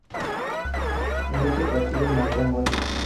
En ese partido marcó un gol.